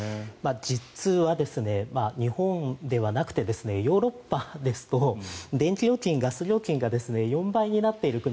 実は日本ではなくてヨーロッパですと電気料金、ガス料金が４倍になっている国